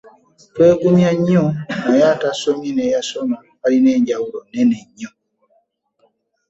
Twegumya nnyo naye atasomye n'eyasoma balina enjawulo nneme nnyo.